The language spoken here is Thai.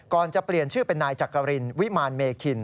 ก่อนจะเปลี่ยนชื่อเป็นนายจักรินวิมารเมคิน